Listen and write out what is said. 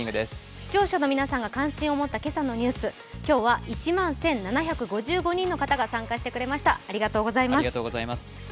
視聴者の皆さんが関心を持った今朝のニュース、今日は１万１７５５人の方が参加してくださいました。